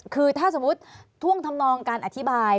คือถ้าสมมุติท่วงทำนองการอธิบาย